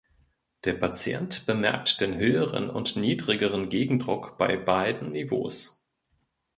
Der Patient bemerkt den höheren und niedrigeren Gegendruck bei beiden Niveaus.